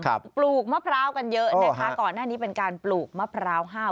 ปลูกมะพร้าวกันเยอะนะคะก่อนหน้านี้เป็นการปลูกมะพร้าวห้าว